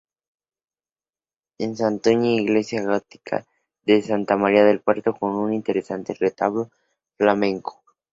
En Santoña: Iglesia gótica de Santa María del Puerto, con un interesante retablo flamenco.